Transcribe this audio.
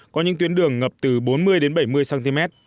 có những tuyến đường ngập từ bốn mươi đến bảy mươi cm